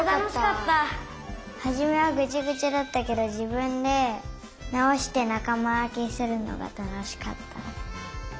はじめはぐちゃぐちゃだったけどじぶんでなおしてなかまわけするのがたのしかった。